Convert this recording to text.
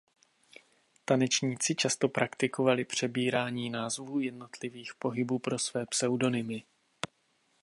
Tanečníci často praktikovali přebírání názvů jednotlivých pohybů pro své pseudonymy.